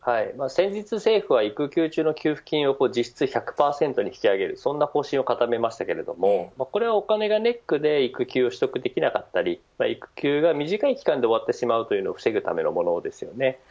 先日、政府は育休中の給付金を実質１００％に引き上げるそんな方針を固めましたけれどもこれはお金がネックで育休を取得できなかったり育休が短い時間で終わってしまうのを防ぐことにつながりますよね。